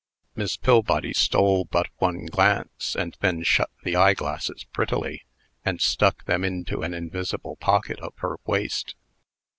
Miss Pillbody stole but one glance, and then shut the eyeglasses prettily, and stuck them into an invisible pocket of her waist.